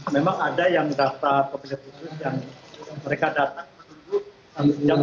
memang ada yang data pemilik rusus yang mereka datang